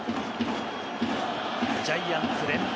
ジャイアンツ連敗